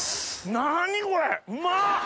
何これうまっ！